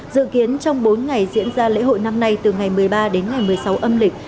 dự kiến trong bốn ngày diễn ra lễ hội năm nay từ ngày một mươi ba đến ngày một mươi sáu âm lịch